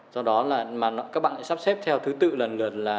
do đó các bạn sắp xếp theo thứ tự lần lượt là